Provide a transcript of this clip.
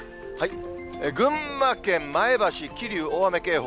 群馬県前橋、桐生、大雨警報。